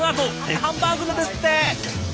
ハンバーグなんですって。